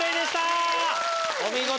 お見事！